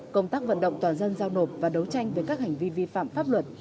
công tác vận động toàn dân giao nộp và đấu tranh với các hành vi vi phạm pháp luật